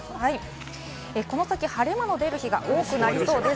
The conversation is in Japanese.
この先、晴れ間の出る日が多くなりそうです。